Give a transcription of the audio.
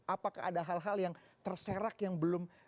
apakah ada hal hal yang terserak yang belum